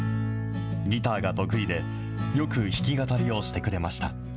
ギターが得意で、よく弾き語りをしてくれました。